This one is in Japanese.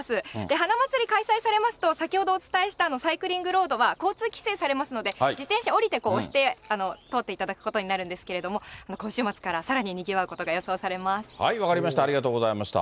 花まつり開催されますと、先ほどお伝えしたサイクリングロードは交通規制されますので、自転車降りて、押して通っていただくことになるんですけれども、今週末からさら分かりました、ありがとうございました。